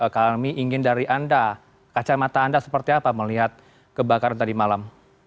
kami ingin dari anda kacamata anda seperti apa melihat kebakaran tadi malam